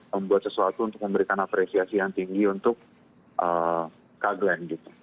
membuat sesuatu untuk memberikan apresiasi yang tinggi untuk kak glenn gitu